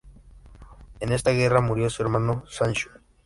En esta guerra murió su hermano Sancho.